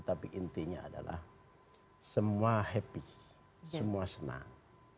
tapi intinya adalah semua happy semua senang